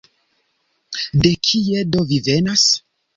De kie do vi venas?